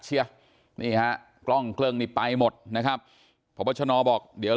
เชียวนี่ค่ะกล้องเครื่องมีไปหมดนะครับเพราะว่าชนบอกเดี๋ยว